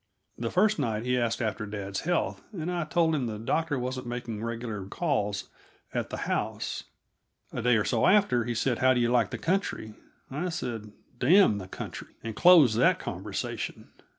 The first night he asked after dad's health, and I told him the doctor wasn't making regular calls at the house. A day or so after he said: "How do you like the country?" I said: "Damn the country!" and closed that conversation.